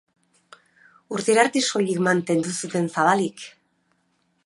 Urtera arte soilik mantendu zuten zabalik.